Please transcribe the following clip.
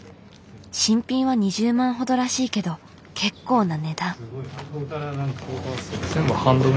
新品は２０万ほどらしいけど結構な値段。